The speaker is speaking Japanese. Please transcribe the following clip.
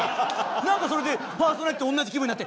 なんかそれでパーソナリティーと同じ気分になって。